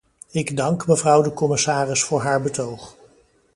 Ik dank mevrouw de commissaris voor haar betoog.